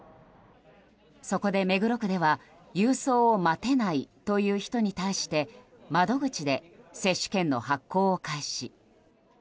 そこで目黒区では郵送を待てないという人に対して窓口で接種券の発行を開始。